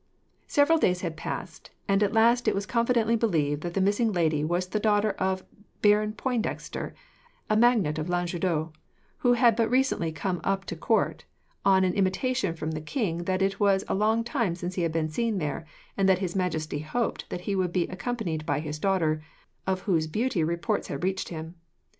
Several days had passed, and at last it was confidently believed that the missing lady was the daughter of Baron Pointdexter, a magnate of Languedoc, who had but recently come up to court, on an intimation from the king that it was a long time since he had been seen there, and that His Majesty hoped that he would be accompanied by his daughter, of whose beauty reports had reached him.